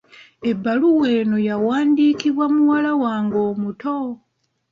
Ebbaluwa eno yawandiikibwa muwala wange omuto.